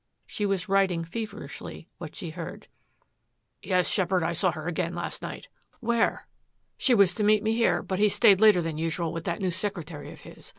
She was writing feverishly what she heard. "Yes, Sheppard, I saw her again last night." "Where?" "She was to meet me here, but he stayed later than usual with that new secretary of his.